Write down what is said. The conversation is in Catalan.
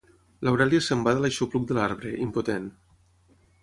L'Aurèlia se'n va de l'aixopluc de l'arbre, impotent.